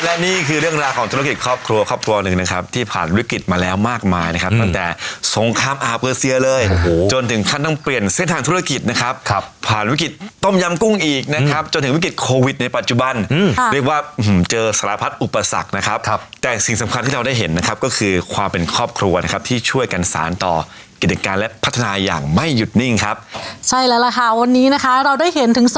และนี่คือเรื่องราวของธุรกิจครอบครัวครอบครัวหนึ่งนะครับที่ผ่านวิกฤตมาแล้วมากมายนะครับตั้งแต่สงครามอาเบอร์เซียเลยจนถึงขั้นต้องเปลี่ยนเส้นทางธุรกิจนะครับผ่านวิกฤตต้มยำกุ้งอีกนะครับจนถึงวิกฤตโควิดในปัจจุบันเรียกว่าเจอสารพัดอุปสรรคนะครับแต่สิ่งสำคัญที่เราได้เห็นนะครับก็คือ